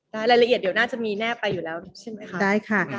รายละเอียดเดี๋ยวน่าจะมีแนบไปอยู่แล้วใช่ไหมคะได้ค่ะ